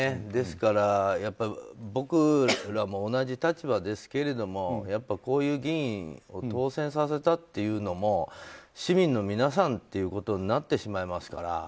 ですから、やっぱり僕らも同じような立場ですけどもこういう議員を当選させたというのも市民の皆さんということになってしまいますから。